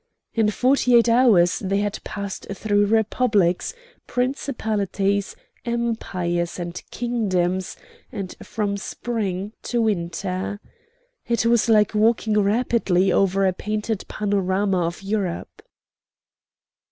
In forty eight hours they had passed through republics, principalities, empires, and kingdoms, and from spring to winter. It was like walking rapidly over a painted panorama of Europe.